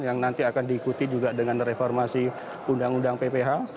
yang nanti akan diikuti juga dengan reformasi undang undang pph